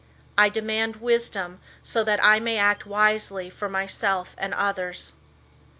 I demand wisdom so that I may act wisely for myself and others.